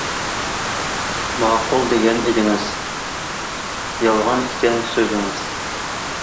ماقۇل دېگەن ئىدىڭىز، يالغان ئىكەن سۆزىڭىز.